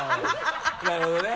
なるほどね。